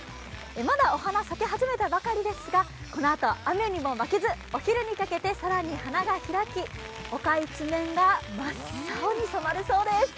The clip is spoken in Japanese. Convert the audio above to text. まだお花、咲き始めたばかりですがこのあと雨にも負けずお昼にかけて更に花が開き丘一面が真っ青に染まるそうです。